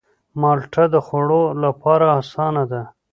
مالټه د خوړلو لپاره آسانه ده.